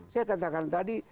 saya katakan tadi